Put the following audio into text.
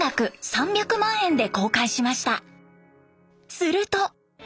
すると。